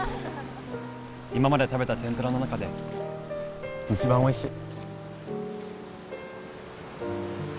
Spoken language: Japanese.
今まで食べたてんぷらの中で一番おいしい。